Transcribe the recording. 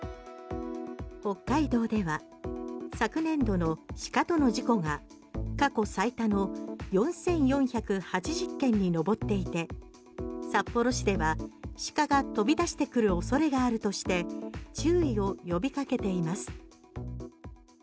北海道では昨年度の鹿との事故が過去最多の４４８０件に上っていて札幌市では鹿が飛び出してくる恐れがあるとして注意を呼びかけています。